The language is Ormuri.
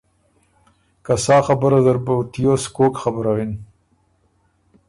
که ”سا خبُره زر بُو تیوس کوک خبروِن؟“